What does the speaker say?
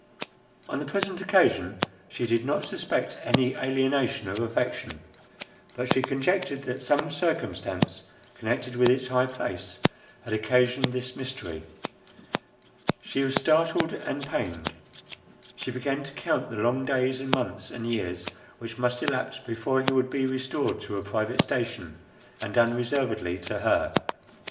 On the present occasion she did not suspect any alienation of affection; but she conjectured that some circumstance connected with his high place, had occasioned this mystery. She was startled and pained. She began to count the long days, and months, and years which must elapse, before he would be restored to a private station, and unreservedly to her.